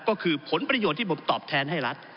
ก็คือผลประโยชน์ที่ผมตอบแทนให้รัฐ